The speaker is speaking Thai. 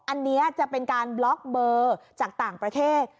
อันนี้จะเป็นการบล็อกเบอร์จากต่างประเทศ